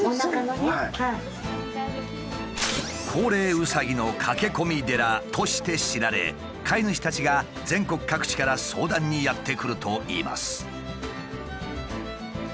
うさぎって手術するの？として知られ飼い主たちが全国各地から相談にやって来るといいます。